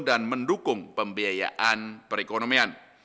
dan mendukung pembiayaan perekonomian